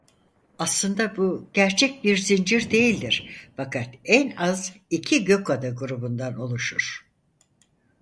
Aslında bu gerçek bir zincir değildir fakat en az iki gökada grubundan oluşur.